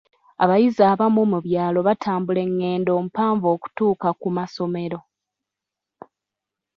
Abayizi abamu mu byalo batambula enngendo mpanvu okutuuka ku masomero.